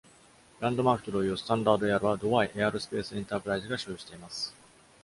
ランドマークと同様、スタンダードエアロはドバイ・エアロスペース・エンタープライズが所有しています。